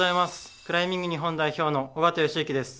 クライミング日本代表の緒方良行です。